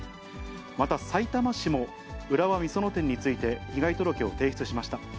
また、さいたま市も、浦和美園店について被害届を提出しました。